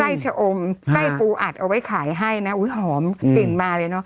ชะอมไส้ปูอัดเอาไว้ขายให้นะอุ้ยหอมกลิ่นมาเลยเนอะ